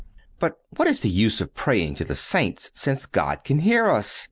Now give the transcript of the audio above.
But what is the use of praying to the saints, since God can hear us.